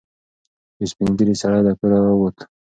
یو سپین ږیری سړی له کوره راووت.